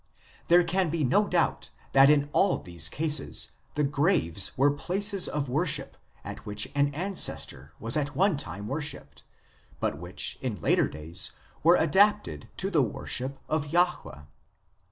There can be no doubt that in all these cases the graves were places of worship at which an ancestor was at one time worshipped, but which in later days were adapted to the worship of Jahwe.